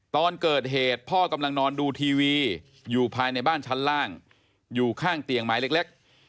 ตอนเกิดเหตุพ่อกำลังนอนดูทีวีอยู่ภายในบ้านชั้นล่างอยู่ข้างเตียงไม้เล็ก